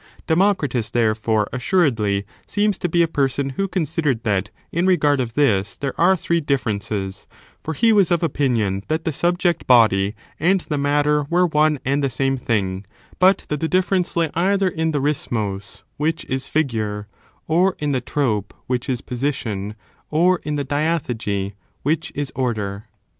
Democritus, <^8 voint. thei efore, assuredly seems to be a person who considered that, in regard of this, there are three diflferences ; for he was of opinion that the subject body and the matter were one and the same thing, but that the difference lay either in the rysmos,^ which is figure, or in the trope, which is position, or in the diathege, which is order.